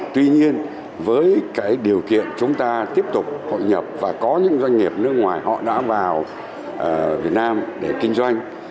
tuy nhiên với điều kiện chúng ta tiếp tục hội nhập và có những doanh nghiệp nước ngoài họ đã vào việt nam để kinh doanh